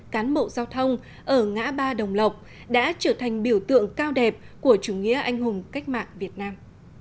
cán bộ giao thông ở ngã ba đồng lộc đã trở thành biểu tượng cao đẹp của chủ nghĩa anh hùng cách mạng việt nam